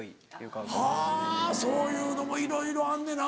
はぁそういうのもいろいろあんねな。